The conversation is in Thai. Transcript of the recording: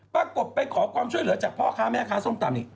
ปรากฏไปขอความช่วยเหลือจากพ่อค้าแม่ค้าส้มตำอีก